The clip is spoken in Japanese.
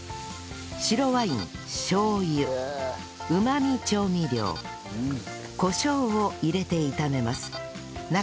白ワインしょう油うまみ調味料コショウを入れて炒めます